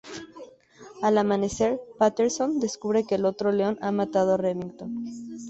Al amanecer, Patterson descubre que el otro león ha matado a Remington.